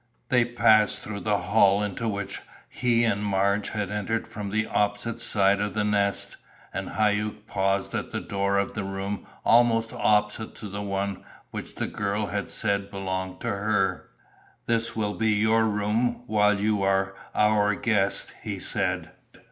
They passed through the hall into which he and Marge had entered from the opposite side of the Nest, and Hauck paused at the door of a room almost opposite to the one which the girl had said belonged to her. "This will be your room while you are our guest," he said.